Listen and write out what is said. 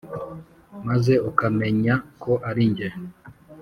maze ukamenya ko ari jye.